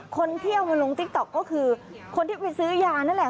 คนที่เอามาลงติ๊กต๊อกก็คือคนที่ไปซื้อยานั่นแหละ